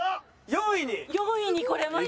４位に来れました。